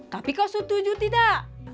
tapi kau setuju tidak